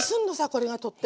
これがとっても。